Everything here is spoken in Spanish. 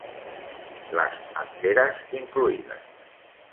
Las anteras, incluidas.